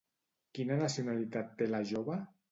Quina nacionalitat té la jove?